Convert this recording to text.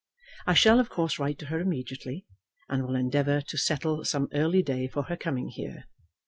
I shall of course write to her immediately, and will endeavour to settle some early day for her coming here.